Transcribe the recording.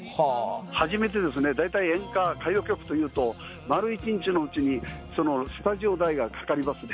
初めてですね、大体演歌、歌謡曲というと丸１日のうちにスタジオ代がかかりますね。